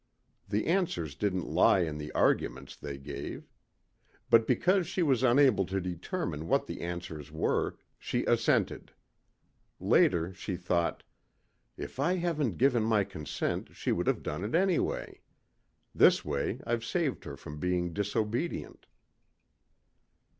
The answers didn't lie in the arguments they gave. But because she was unable to determine what the answers were, she assented. Later she thought, "If I hadn't given my consent she would have done it anyway. This way I've saved her from being disobedient."